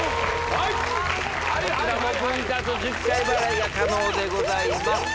こちらも分割１０回払いが可能でございます